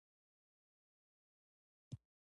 لکه د بوډا سړي اواز لړزېده او ګړبېده.